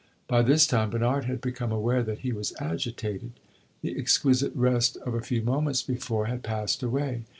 By this time Bernard had become aware that he was agitated; the exquisite rest of a few moments before had passed away.